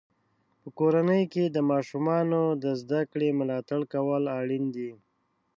په کورنۍ کې د ماشومانو د زده کړې ملاتړ کول اړین دی.